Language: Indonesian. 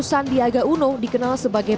sandiaga uno dikenal sebagai